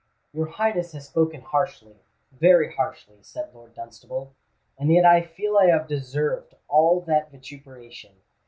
"Your Highness has spoken harshly—very harshly," said Lord Dunstable; "and yet I feel I have deserved all that vituperation.